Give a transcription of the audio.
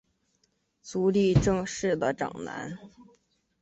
足利政氏的长男。